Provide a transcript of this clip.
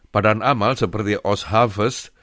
badan amal seperti oz harvest